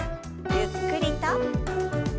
ゆっくりと。